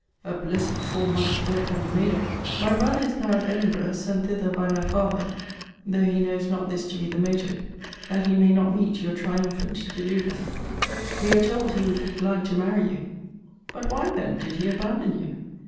A blessed four months' work have you made of it. My brother is now at Edinburgh, sent thither by my father, [though he knows not this to be the motive,] that he may not meet your triumphant deluder. We are told he would be glad to marry you: But why, then, did he abandon you?